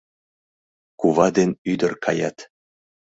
Кува ден ӱдыр каят.